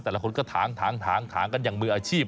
แต่ละคนก็ถางกันอย่างมืออาชีพ